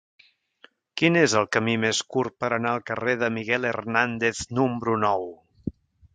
Quin és el camí més curt per anar al carrer de Miguel Hernández número nou?